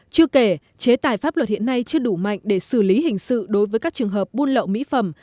chưa kể chế tài pháp luật hiện nay chưa đủ mạnh để xử lý hình sự đối với các trường hợp buôn lậu mỹ phẩm